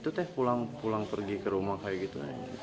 itu teh pulang pergi ke rumah kayak gitu